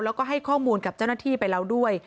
แล้วก็ให้ข้อมูลกับเจ้าหน้าที่ไปแล้วด้วย